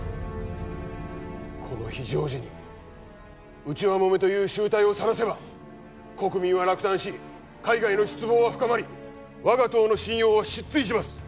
この非常時に内輪もめという醜態をさらせば国民は落胆し海外の失望は深まり我が党の信用は失墜します